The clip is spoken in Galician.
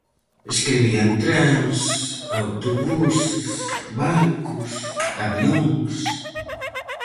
Escribía en trens, autobuses, barcos, avións...